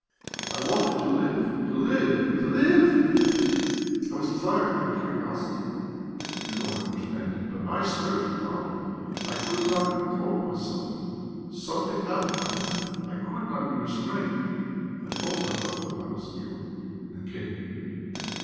I wanted to live! To live, to live!... I was fired by curiosity ... you don't understand it, but, I swear to God, I could not control myself; something happened to me: I could not be restrained. I told my husband I was ill, and came here....